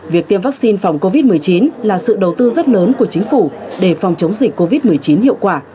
việc tiêm vaccine phòng covid một mươi chín là sự đầu tư rất lớn của chính phủ để phòng chống dịch covid một mươi chín hiệu quả